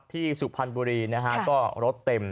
สุพรรณบุรีนะฮะก็รถเต็ม